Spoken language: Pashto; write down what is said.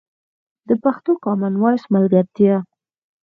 د پښتو کامن وایس ملګرتیا